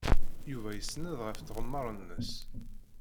Yuba isenned ɣef tɣemmar-nnes.